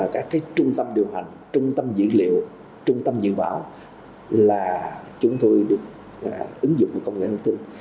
các trung tâm điều hành trung tâm dữ liệu trung tâm dự báo là chúng tôi được ứng dụng công nghệ thông tin